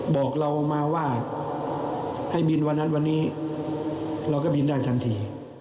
บอกเรามาว่าให้บินวันนั้นวันนี้เราก็บินได้ทันที